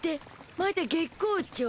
まだ月光町？